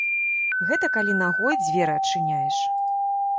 Гэта калі нагой дзверы адчыняеш.